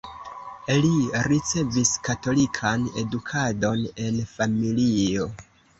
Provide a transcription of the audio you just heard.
Li ricevis katolikan edukadon en familio.